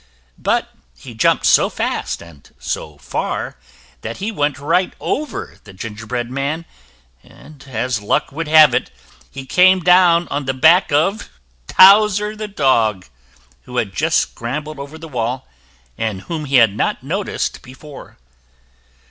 But he jumped so fast and so far that he went right over the gingerbread man, and as luck would have it, he came down on the back of Towser, the dog, who had just scrambled over the wall, and whom he had not before noticed.